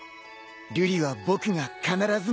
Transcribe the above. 瑠璃は僕が必ず守るよ。